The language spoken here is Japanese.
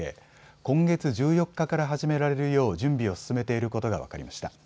今月１４日から始められるよう準備を進めていることが分かりました。